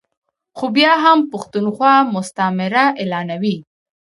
خو بیا هم پښتونخوا مستعمره اعلانوي ا